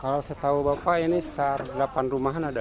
kalau saya tahu bapak ini delapan rumah ada